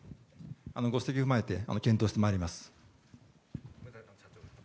ご指摘を踏まえて検討してまいります。